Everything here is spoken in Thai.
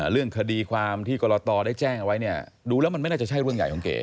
เรื่องคดีความที่กรตได้แจ้งเอาไว้เนี่ยดูแล้วมันไม่น่าจะใช่เรื่องใหญ่ของเก๋